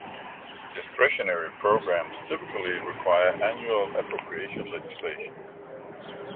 "Discretionary" programs typically require annual appropriations legislation.